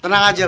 tenang aja lek